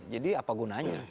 jadi apa gunanya